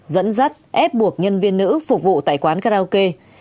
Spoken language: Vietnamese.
dẫn dắt ép buộc nhân viên nữ phục vụ tại quán karaoke